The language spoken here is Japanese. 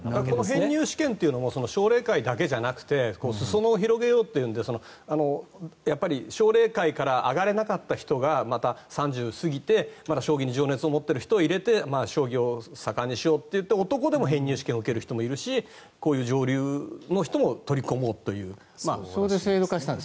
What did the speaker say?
編入試験も奨励会だけじゃなくて裾野を広げようというので奨励会から上がれなかった人が３０歳を過ぎてまだ将棋に情熱を持っている人も入れて盛んにしようということで男でも編入試験を受ける人もいるしこういう女流棋士も取り込もうと。